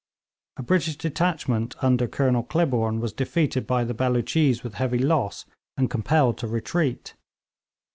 A British detachment under Colonel Clibborn, was defeated by the Beloochees with heavy loss, and compelled to retreat.